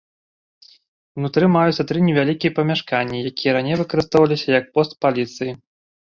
Унутры маюцца тры невялікія памяшканні, якія раней выкарыстоўваліся як пост паліцыі.